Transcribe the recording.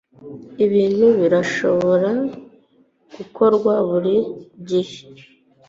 ibintu birashobora gukorwa buri gihe